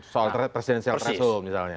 soal presidensial transum misalnya